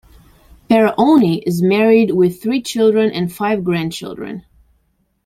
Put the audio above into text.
Paraone is married with three children and five grandchildren.